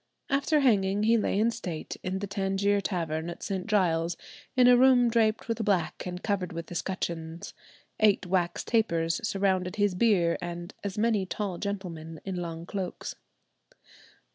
After hanging he lay in state in the Tangier Tavern at St. Giles, in a room draped with black and covered with escutcheons; eight wax tapers surrounded his bier, and "as many tall gentlemen in long cloaks."